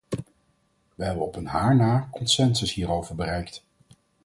We hebben op een haar na consensus hierover bereikt.